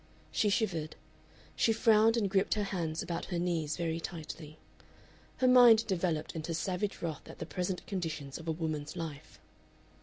She shivered. She frowned and gripped her hands about her knees very tightly. Her mind developed into savage wrath at the present conditions of a woman's life.